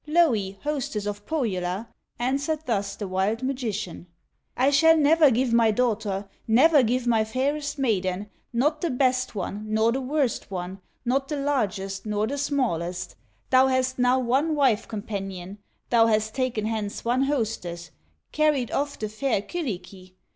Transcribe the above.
Louhi, hostess of Pohyola, Answered thus the wild magician: "I shall never give my daughter, Never give my fairest maiden, Not the best one, nor the worst one, Not the largest, nor the smallest; Thou hast now one wife companion, Thou has taken hence one hostess, Carried off the fair Kyllikki."